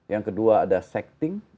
yang kedua ada sexting